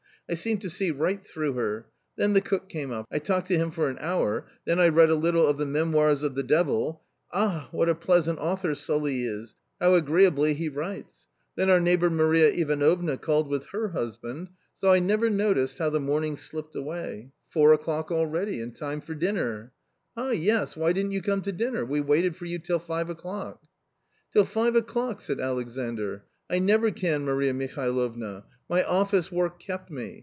I seem to see right through her. Then the cook came up ; I talked to him for an hour ; then I read a little of the " Memoires du Diable .... ah ! what a pleasant author Sully is ! how agreeably he writes ! Then our neighbour Maria Ivanovna called with her husband ; so I never noticed how the morning slipped away; four o'clock already and time for dinner ! Ah, yes ; why didn't you come to dinner ? we waited for you till five o'clock." "Till five« o'clock?" said Alexandr : "I never can, Maria Mihalovna ; my office work kept me.